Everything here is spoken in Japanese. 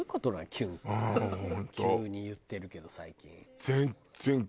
急に言ってるけど最近。